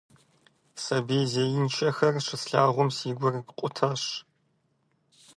Сабий зеиншэхэр щыслъагъум, си гур къутащ.